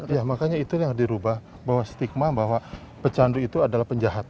ya makanya itu yang dirubah bahwa stigma bahwa pecandu itu adalah penjahat